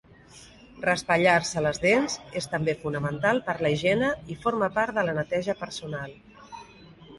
Raspallar-se les dents és també fonamental per la higiene i forma part de la neteja personal.